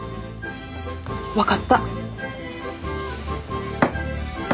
分かった。